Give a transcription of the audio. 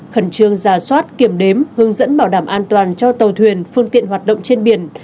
khẩn trương giả soát kiểm đếm hướng dẫn bảo đảm an toàn cho tàu thuyền phương tiện hoạt động trên biển